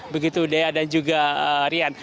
begitu dea dan juga rian